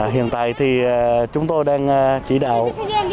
hiện tại thì chúng tôi đang chỉ đạo